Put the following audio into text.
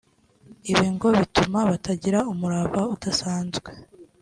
Ibi ngo bituma bagira umurava udasanzwe